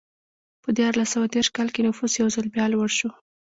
په دیارلس سوه دېرش کال کې نفوس یو ځل بیا لوړ شو.